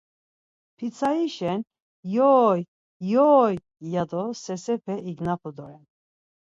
Pitsarişen “yoy yoy” ya do sersepe ignapu doren.